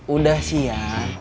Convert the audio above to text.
udah sih ya